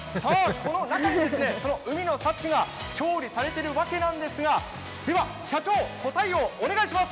この中に海の幸が調理されているわけなんですが、では社長、答えをお願いします！